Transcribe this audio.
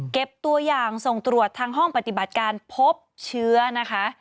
เก็บตัวอย่างส่งตรวจทางห้องปฏิบัติการพบเชื้อนะคะ